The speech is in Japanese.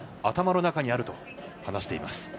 頭の中にあると話しています。